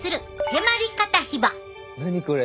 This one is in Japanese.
何これ？